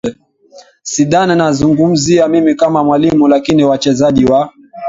sidhana nazungumzia mimi kama mwalimu lakini wachezaji wa